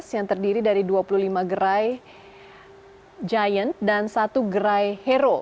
yang terdiri dari dua puluh lima gerai giant dan satu gerai hero